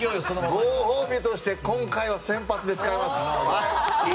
ご褒美として今回は先発で使います！